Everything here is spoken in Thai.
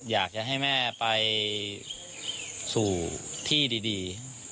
อยากจะให้แม่ไปสู่ที่ดี